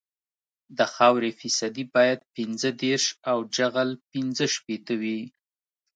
د خاورې فیصدي باید پنځه دېرش او جغل پینځه شپیته وي